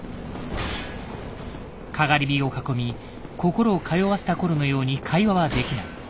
篝火を囲み心を通わせた頃のように会話はできない。